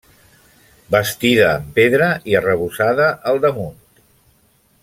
Bastida amb pedra i arrebossada al damunt.